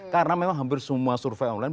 karena memang hampir semua survei online